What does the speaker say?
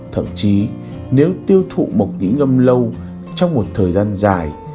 thậm chí nếu tiêu thụ mộc nghĩ ngâm lâu trong một thời gian dài